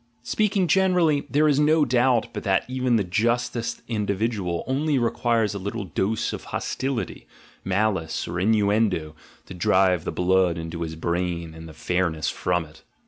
Speaking generally, there is no doubt but that even the justest in dividual only requires a little dose of hostility, malice, or innuendo to drive the blood into his brain and the fairness from it.